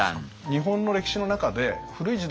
日本の歴史の中で古い時代